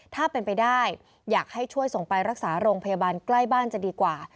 ถ้าเป็นไปได้อยากให้ช่วยส่งไปรักษาโรงพยาบาลใกล้บ้านจะดีกว่า